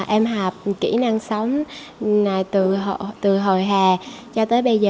em học kỹ năng sống từ hồi hà cho tới bây giờ